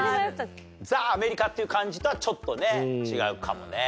ザ・アメリカっていう感じとはちょっとね違うかもね。